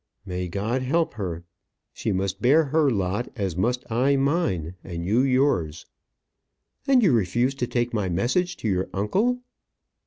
"May God help her! She must bear her lot, as must I mine, and you yours." "And you refuse to take my message to your uncle?"